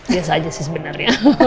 biasa aja sih sebenarnya